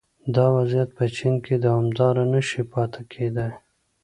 دا وضعیت په چین کې دوامداره نه شي پاتې کېدای